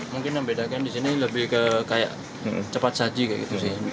mungkin membedakan di sini lebih ke kayak cepat saji kayak gitu sih